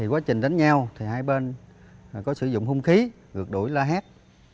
quá trình đánh nhau thì hai bên có sử dụng hung khí ngược đuổi la hét